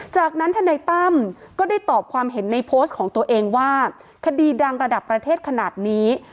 จากนั้นทนายตั้มก็ได้ตอบความเห็นในโพสต์ของตัวเองว่าคดีดังระดับประเทศขนาดนี้